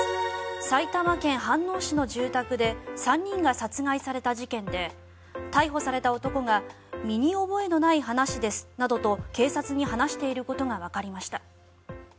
埼玉県飯能市の住宅で３人が殺害された事件で逮捕された男が身に覚えのない話ですなどと警察に話していることがわかりました。